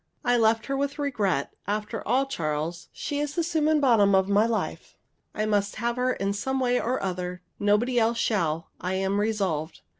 I left her with regret After all, Charles, she is the summum bonum of my life. I must have her in some way or other. Nobody else shall, I am resolved.